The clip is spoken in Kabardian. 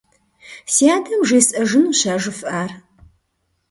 Си адэм жесӏэжынущ а жыфӏар.